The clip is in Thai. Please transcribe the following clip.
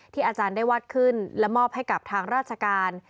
อาจารย์ได้วัดขึ้นและมอบให้กับทางราชการ